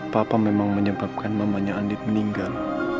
papa memang menyebabkan mamanya andi meninggal